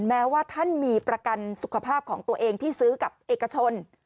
แม้ว่าท่านมีประกันสุขภาพของตัวเองที่ซื้อกับเอกชน